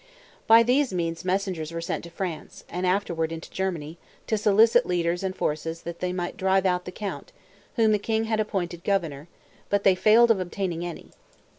By these means messengers were sent to France, and afterward into Germany, to solicit leaders and forces that they might drive out the count, whom the king had appointed governor; but they failed of obtaining any.